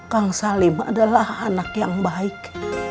kang salim adalah anak yang baik